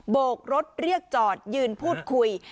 โกกรถเรียกจอดยืนพูดคุย